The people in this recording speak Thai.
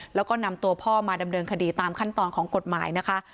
แล้วก็นำตัวพ่อมาดำเนินคดีตามขั้นตอนของกฎหมายนะคะ